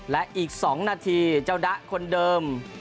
และอีก๒นาทีเจ้าดะคนเดิม